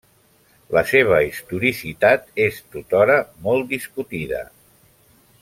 La seva historicitat és tothora molt discutida.